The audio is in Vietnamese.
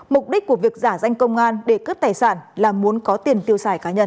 mục đích của việc giả danh công an để cướp tài sản là muốn có tiền tiêu xài cá nhân